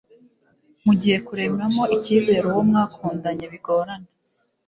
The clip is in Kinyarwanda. mu gihe kuremamo icyizere uwo mwakundanye bigorana